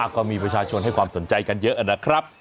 ก็มีประชาชนให้ความสนใจกันเยอะนะครับ